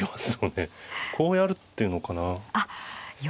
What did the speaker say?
こうやるっていうのかな。